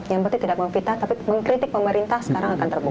yang penting tidak memfitnah tapi mengkritik pemerintah sekarang akan terbuka